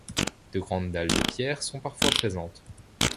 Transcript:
De grandes dalles de pierre sont parfois présentes.